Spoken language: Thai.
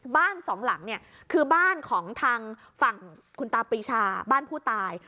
บ้านสองหลังเนี่ยคือบ้านของทางฝั่งคุณตาปรีชาบ้านผู้ตาย